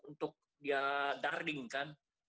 untuk dia dardingkan